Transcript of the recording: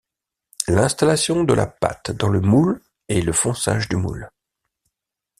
L'installation de la pâte dans le moule est le fonçage du moule.